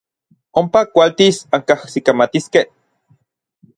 Ompa kualtis ankajsikamatiskej.